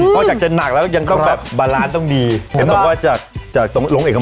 ก็จากจะหนักแล้วยังก็แบบแบลันต์ต้องดีเห็นแบบว่าจากตรงหลงเอกมัย